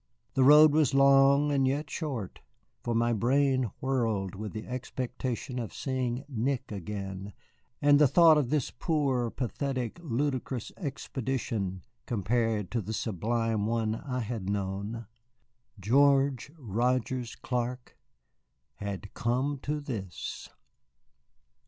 The road was long, and yet short, for my brain whirled with the expectation of seeing Nick again, and the thought of this poor, pathetic, ludicrous expedition compared to the sublime one I had known. George Rogers Clark had come to this!